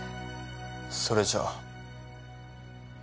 それじゃ。